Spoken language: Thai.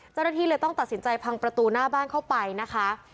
เจ้าหน้าที่เลยต้องตัดสินใจพังประตูหน้าบ้านเข้าไปนะคะ